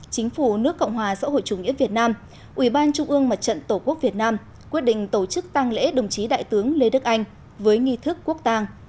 chính phủ nước cộng hòa xã hội chủ nghĩa việt nam ubnd tổ quốc việt nam quyết định tổ chức tăng lễ đồng chí đại tướng lê đức anh với nghi thức quốc tàng